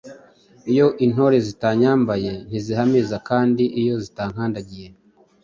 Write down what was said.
Iyo intore zitanyambaye ntizihamiriza kandi iyo zinkandagiye